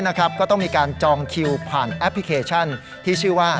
ก็ต้องมีการจองคิวผ่านแอปพลิเคชันที่ชื่อว่า